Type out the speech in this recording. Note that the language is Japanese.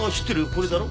これだろ？